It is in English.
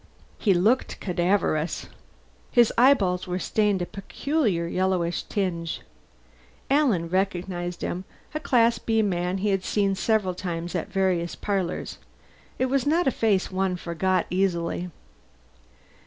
He looked cadaverous. His eyeballs were stained a peculiar yellowish tinge. Alan recognized him a Class B man he had seen several times at various parlors. It was not a face one forgot easily.